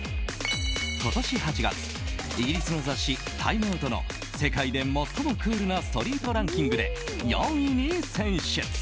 今年８月、イギリスの雑誌「タイムアウト」の世界で最もクールなストリートランキングで４位に選出。